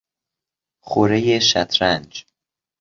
خورهی شطرنج